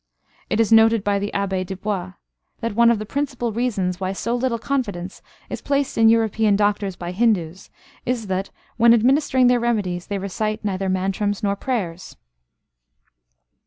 It is noted by the Abbé Dubois, that one of the principal reasons why so little confidence is placed in European doctors by Hindus is that, when administering their remedies, they recite neither mantrams nor prayers.